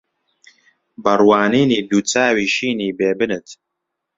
بە ڕوانینی دوو چاوی شینی بێ بنت